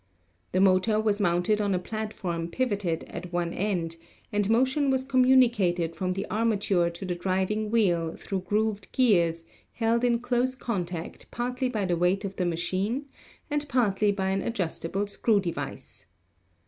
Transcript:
The motor was mounted on a platform pivoted at one end, and motion was com municated from the armature to the driving wheel through grooved gears held in close contact partly by the weight of the machine and partly by an adjustable screw device.